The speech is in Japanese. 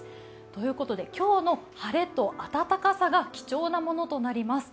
ということで今日の晴れと暖かさが貴重なものとなります。